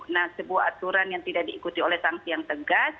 nah sebuah aturan yang tidak diikuti oleh sanksi yang tegas